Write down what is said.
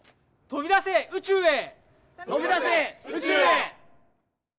とびだせ宇宙へ。